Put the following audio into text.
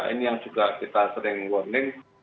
ini yang juga kita sering warning